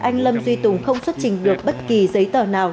anh lâm duy tùng không xuất trình được bất kỳ giấy tờ nào